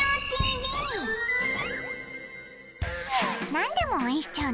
何でも応援しちゃう